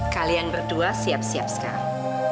kalian berdua siap siap sekali